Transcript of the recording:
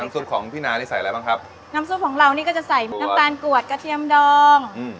ซุปของพี่นานี่ใส่อะไรบ้างครับน้ำซุปของเรานี่ก็จะใส่น้ำตาลกรวดกระเทียมดองอืม